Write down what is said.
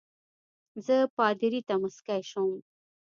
زه پادري ته مسکی شوم.